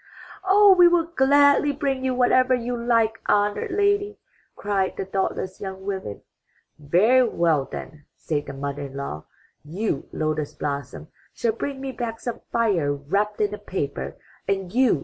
'* ''Oh, we will gladly bring you whatever you like, honored lady!" cried the thoughtless young women. ''Very well then,'' said the mother in law, ''you, Lotus blossom, shall bring me back some fire, wrapped in a paper, and you.